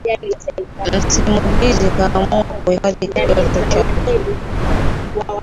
Msimulizi kuamua kuhifadhi kitoto chake